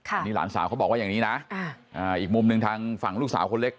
อันนี้หลานสาวเขาบอกว่าอย่างนี้นะอีกมุมหนึ่งทางฝั่งลูกสาวคนเล็ก